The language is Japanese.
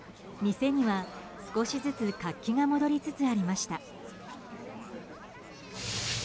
店には、少しずつ活気が戻りつつありました。